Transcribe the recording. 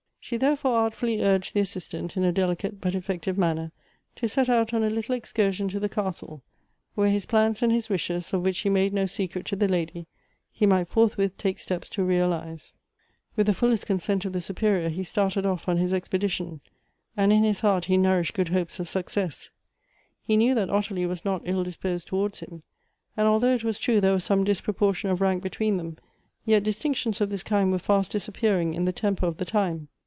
She therefore artfully urged the Assistant, in a delicate, but effective manner, to set out on a little excursion to the castle ; where his plans and his wishes, of which he made no secret to the lady, he might forthwith take steps to realize. Elective Affinities. i!23 With the fullest consent of the Superior he started off on his expedition, and in his heart he nourished good hopes of success. lie knew tliat Ottilie was not ill dis jiosed towards liim; and although it was true there was some disproportion of rank between them, yet distinctions of this kind were fast disappearing in the temper of the time.